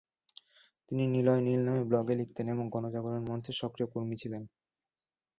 তিনি নিলয় নীল নামে ব্লগে লিখতেন এবং গণজাগরণ মঞ্চের সক্রিয় কর্মী ছিলেন।